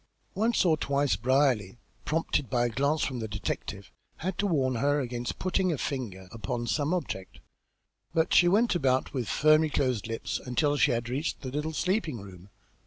Once or twice Brierly, prompted by a glance from the detective, had to warn her against putting a finger upon some object, but she went about with firmly closed lips until she had reached the little sleeping room.